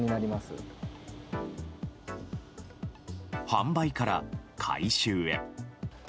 販売から回収へ。